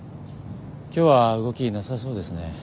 今日は動きなさそうですね